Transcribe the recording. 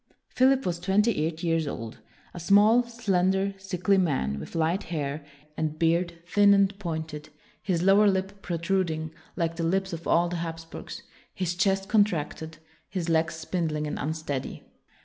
Philip was twenty eight years old; a small, slen der, sickly man, with light hair, and beard thin and pointed, his lower lip protruding like the lips of all the Hapsburgs, his chest contracted, his legs spindling and unsteady.